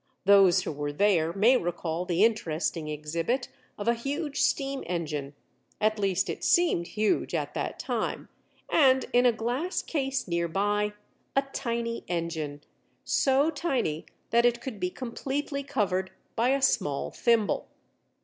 Those who were there may recall the interesting exhibit of a huge steam engine—at least, it seemed huge at that time—and, in a glass case near by, a tiny engine—so tiny that it could be completely covered by a small thimble.